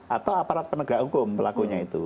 atau aparat penegak hukum pelakunya itu